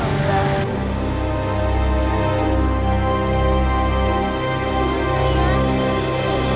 aku ingin tahu ibu ada di mana